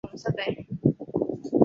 金太宗天会九年。